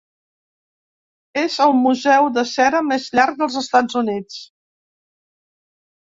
És el Museu de cera més llarg dels Estats Units.